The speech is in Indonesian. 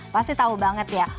pasti tahu banget ya